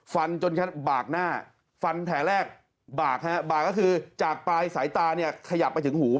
ฟันจนแค่บากหน้าฟันแผลแรกบากฮะบากก็คือจากปลายสายตาเนี่ยขยับไปถึงหู